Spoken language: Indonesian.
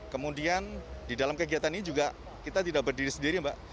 kemudian di dalam kegiatan ini juga kita tidak berdiri sendiri mbak